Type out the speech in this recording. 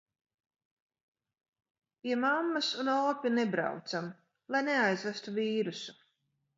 Pie mammas un opja nebraucam, lai neaizvestu vīrusu.